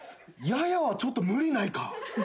ややはちょっと無理ないか？